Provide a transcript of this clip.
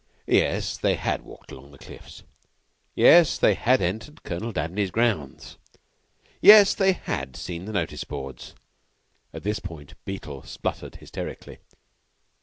Yes, they had walked along the cliffs. Yes, they had entered Colonel Dabney's grounds. Yes, they had seen the notice boards (at this point Beetle sputtered hysterically).